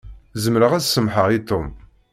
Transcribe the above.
Zemreɣ ad semmḥeɣ i Tom.